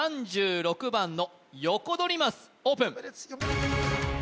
３６番のヨコドリマスオープン